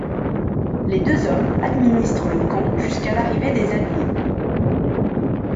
Les deux hommes administrent le camp jusqu'à l'arrivée des Alliés.